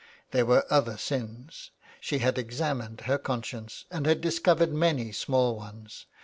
There were other sins. She had examined her conscience, and had discovered many small ones.